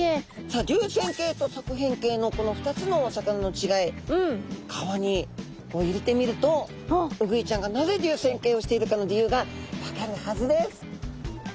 さあ流線形と側扁形のこの２つのお魚のちがい川に入れてみるとウグイちゃんがなぜ流線形をしているかの理由が分かるはずです。